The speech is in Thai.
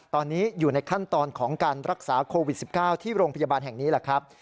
ตอนนี้อยู่ในขั้นตอนของการรักษาโควิด๑๙ที่โรงพยาบาลแห่งนี้แหละครับ